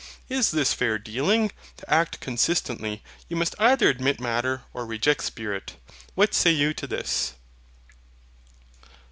Is this fair dealing? To act consistently, you must either admit Matter or reject Spirit. What say you to this?